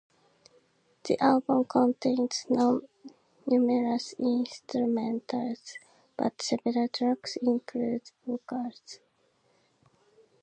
The album contains numerous instrumentals, but several tracks include vocals.